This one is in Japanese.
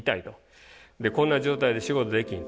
こんな状態で仕事できひんと。